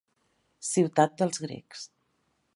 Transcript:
"Ciutat dels grecs".